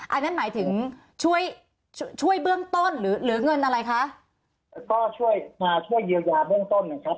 อันนั้นหมายถึงช่วยช่วยเบื้องต้นหรือเหลือเงินอะไรคะก็ช่วยมาช่วยเยียวยาเบื้องต้นนะครับ